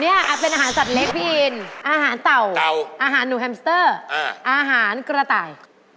นี่เป็นอาหารสัตว์เล็กพี่อินอาหารเต่าอาหารหนูแฮมสเตอร์อาหารกระต่าย